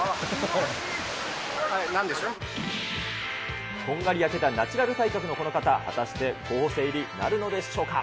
こんがり焼けたナチュラル体格のこの方、果たして候補生入りなるのでしょうか。